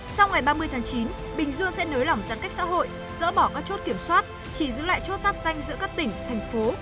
sau ngày ba mươi tháng chín bình dương sẽ nới lỏng giãn cách xã hội dỡ bỏ các chốt kiểm soát chỉ giữ lại chốt giáp danh giữa các tỉnh thành phố